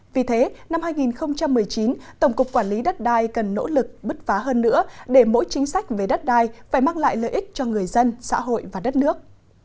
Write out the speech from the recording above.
vì thế năm hai nghìn một mươi chín tổng cục quản lý đất đai cần nỗ lực bứt phá hơn nữa để mỗi chính sách về đất đai phải mang lại lợi ích cho người dân xã hội và đất nước